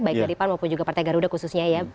baik dari pan maupun juga partai garuda khususnya ya